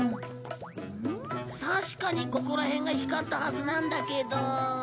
確かにここら辺が光ったはずなんだけど。